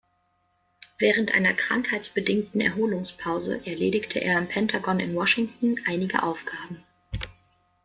Während einer krankheitsbedingten Erholungspause erledigte er im Pentagon in Washington einige Aufgaben.